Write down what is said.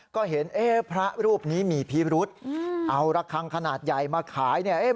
ก็เห็นเอ๊ะพระรูปนี้มีพิรุษเอาระคังขนาดใหญ่มาขายเนี่ย